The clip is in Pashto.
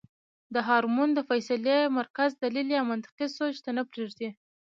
دا هارمون د فېصلې مرکز دليل يا منطقي سوچ ته نۀ پرېږدي -